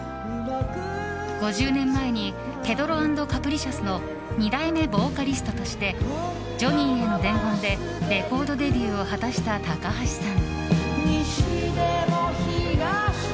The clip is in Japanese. ５０年前にペドロ＆カプリシャスの２代目ボーカリストとして「ジョニィへの伝言」でレコードデビューを果たした高橋さん。